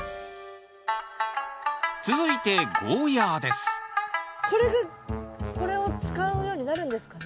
続いてこれがこれを使うようになるんですかね？